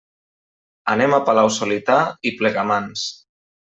Anem a Palau-solità i Plegamans.